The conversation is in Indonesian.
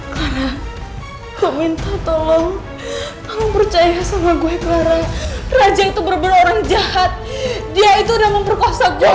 clara aku minta tolong tolong percaya sama gue clara raja itu benar benar orang jahat dia itu udah memperkuasa gue